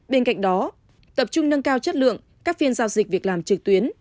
bên cạnh đó tập trung nâng cao chất lượng các phiên giao dịch việc làm trực tuyến